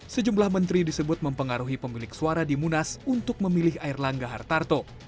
sejumlah menteri disebut mempengaruhi pemilik suara di munas untuk memilih air langga hartarto